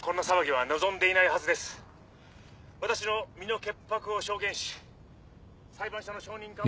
私の身の潔白を証言し裁判所の証人喚問。